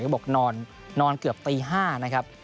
ก็บอกนอนเกือบตี๕นะครับ